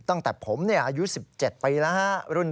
ตั้งแต่ผมอายุ๑๗ปีแล้วฮะ